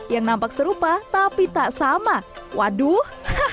yang nampak serupa tapi tak sama waduh